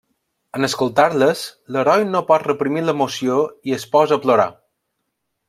En escoltar-les, l'heroi no pot reprimir l'emoció i es posa a plorar.